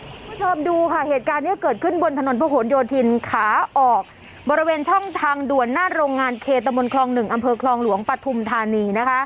คุณผู้ชมดูค่ะเหตุการณ์นี้เกิดขึ้นบนถนนพระหลโยธินขาออกบริเวณช่องทางด่วนหน้าโรงงานเคตะมนต์คลอง๑อำเภอคลองหลวงปฐุมธานีนะคะ